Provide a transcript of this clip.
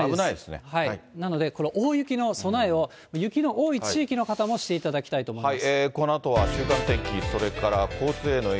なので大雪の備えを、雪の多い地域の方もしていただきたいと思います。